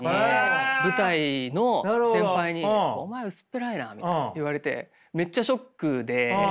舞台の先輩に「お前薄っぺらいな」みたいな言われてめっちゃショックで。